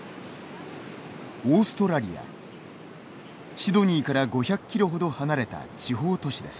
シドニーから５００キロほど離れた地方都市です。